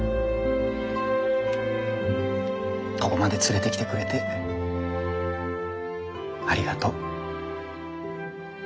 ここまで連れてきてくれてありがとう。